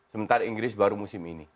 sementara inggris baru musim ini